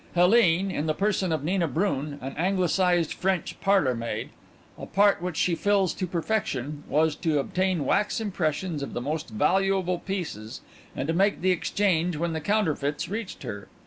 Helene, in the person of Nina Bran, an Anglicised French parlourmaid a part which she fills to perfection was to obtain wax impressions of the most valuable pieces and to make the exchange when the counterfeits reached her.